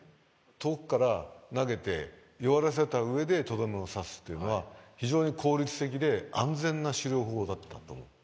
遠くから投げて弱らせた上でとどめを刺すっていうのは非常に効率的で安全な狩猟法だったと思う。